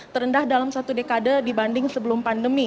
terendah dalam satu dekade dibanding sebelum pandemi